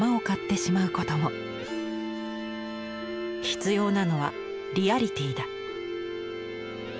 「必要なのはリアリティだ」。